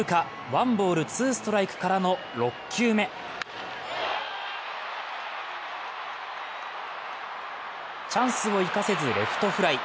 ワンボール・ツーストライクからの６球目チャンスを生かせずレフトフライ。